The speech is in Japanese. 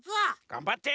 がんばって！